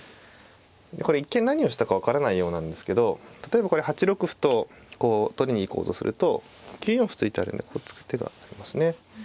これ一見何をしたか分からないようなんですけど例えばこれ８六歩とこう取りに行こうとすると９四歩突いてあるんでこう突く手がありますね。